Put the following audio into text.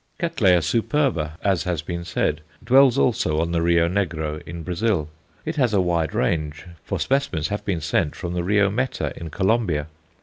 Cattleya superba, as has been said, dwells also on the Rio Negro in Brazil; it has a wide range, for specimens have been sent from the Rio Meta in Colombia.